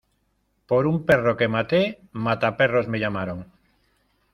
Por un perro que maté, mataperros me llamaron.